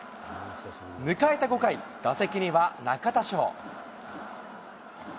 迎えた５回、打席には中田翔。